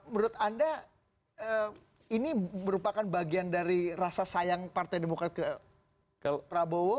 menurut anda ini merupakan bagian dari rasa sayang partai demokrat ke prabowo